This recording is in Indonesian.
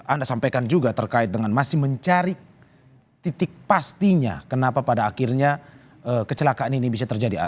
anda sampaikan juga terkait dengan masih mencari titik pastinya kenapa pada akhirnya kecelakaan ini bisa terjadi